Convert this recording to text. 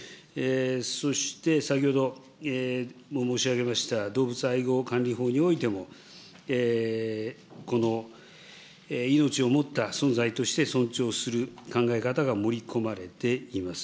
そして先ほども申し上げました動物愛護管理法においても、この命を持った存在として尊重する考え方が盛り込まれています。